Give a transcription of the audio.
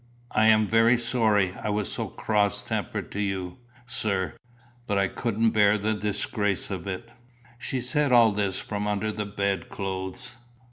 I am very sorry I was so cross tempered to you, sir; but I couldn't bear the disgrace of it." She said all this from under the bed clothes.